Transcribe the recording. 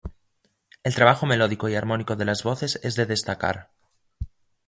El trabajo melódico y armónico de las voces es de destacar.